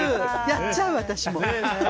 やっちゃう、私も。